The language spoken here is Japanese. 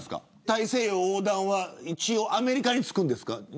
大西洋横断はアメリカに着くんですか。